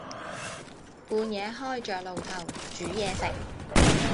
半夜開着爐頭煮嘢食